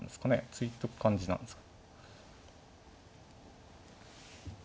突いとく感じなんですか。